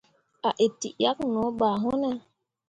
A itǝʼyakke no ɓa wune ?